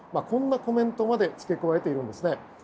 こんなコメントまで付け加えているんです。